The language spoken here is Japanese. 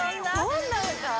どんな歌？